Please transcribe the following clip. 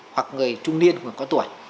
hoặc người trung niên của người có tuổi